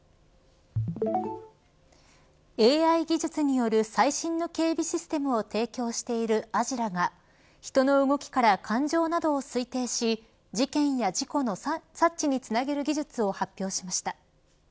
ＡＩ技術による最新の警備システムを提供しているアジラが人の動きから感情などを推定し事件や事故の察知につなげる技術を発表しました。